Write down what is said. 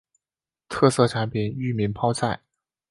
特色产品裕民泡菜。